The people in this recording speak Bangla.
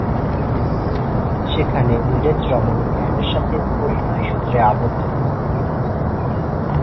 সেখানে ইংরেজ রমণী অ্যানের সাথে পরিণয়সূত্রে আবদ্ধ হন।